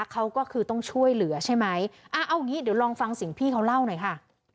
เขาก็คือต้องช่วยเหลือใช่ไหมอ่าเอาอย่างงี้เดี๋ยวลองฟังเสียงพี่เขาเล่าหน่อยค่ะ